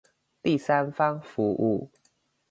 第三方服務